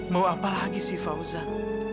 mau apa lagi si fauzan